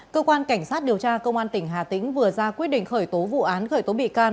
cơ quan cảnh sát điều tra công an tỉnh hà tĩnh vừa ra quyết định khởi tố vụ án khởi tố bị can